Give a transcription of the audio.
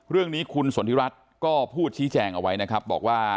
เรื่องนี้คุณสนทิรัฐก็พูดชี้แจงเอาไว้นะครับบอกว่า